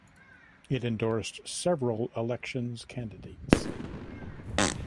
It endorsed several elections candidates.